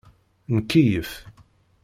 Nkeyyef.